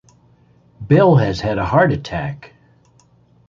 Bill has had a heart attack!